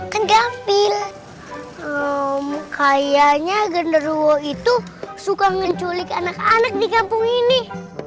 kegampil kayaknya genderwo itu suka ngeculik anak anak di kampung ini